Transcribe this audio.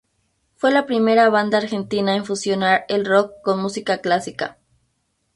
Fue la primera banda argentina en fusionar el rock con música clásica.